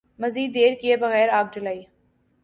مزید دیر کئے بغیر آگ جلائی ۔